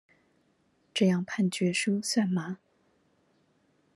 這樣判決書算嗎？